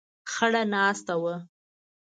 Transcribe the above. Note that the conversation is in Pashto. خړه ناسته وه.